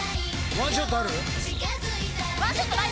ワンショットある？